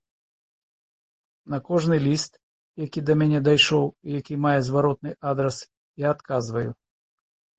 На кожны ліст, які да мяне дайшоў і які мае зваротны адрас, я адказваю.